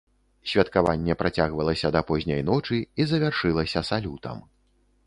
Святкаванне працягвалася да позняй ночы і завяршылася салютам.